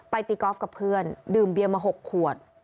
ตีกอล์ฟกับเพื่อนดื่มเบียมา๖ขวด